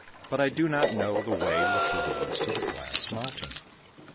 But I do not know the way which leads to the glass mountain."